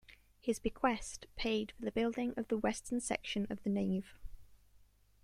His bequest paid for the building of the western section of the nave.